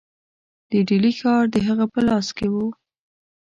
د ډهلي ښار د هغه په لاس کې وو.